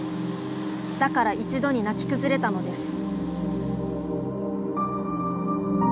だから一度に泣き崩れたのです」。